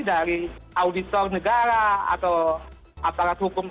dari auditor negara atau atas hukum kpk